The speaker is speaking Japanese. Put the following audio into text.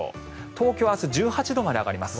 東京は明日、１８度まで上がります。